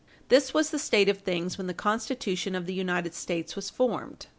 This was the state of things when the Constitution of the United States was formed.